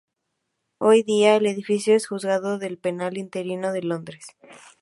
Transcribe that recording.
Hoy día, el edificio es el Juzgado de lo Penal Interno de Londres.